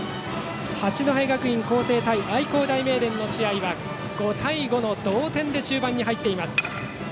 八戸学院光星対愛工大名電の試合は５対５の同点で終盤に入っています。